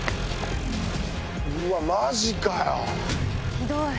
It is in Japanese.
ひどい。